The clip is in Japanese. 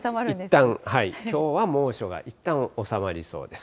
いったん、きょうは猛暑がいったん収まりそうです。